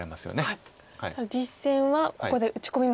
実戦はここで打ち込みました。